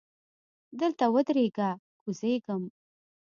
دلته ودریږه! کوزیږم.